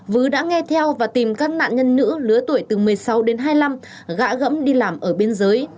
vứ đã nghe theo và tìm các nạn nhân nữ lứa tuổi từ một mươi sáu đến hai mươi năm gã gẫm đi làm ở bên dưới